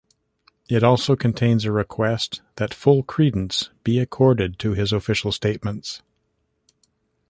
It also contains a request that full credence be accorded to his official statements.